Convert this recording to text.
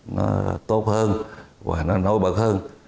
nó tốt hơn và nó nổi bật hơn